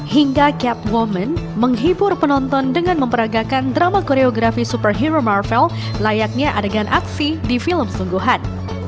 hingga cap woman menghibur penonton dengan memperagakan drama koreografi superhero marvel layaknya adegan aksi di film sungguhan